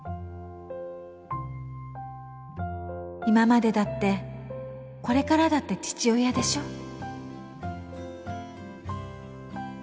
今までだってこれからだって父親でしょ？